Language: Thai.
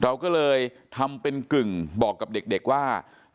เราก็เลยทำเป็นกึ่งบอกกับเด็กว่า